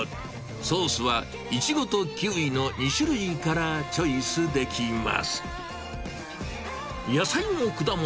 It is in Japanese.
ソースはイチゴとキウイの２種類からチョイスできます。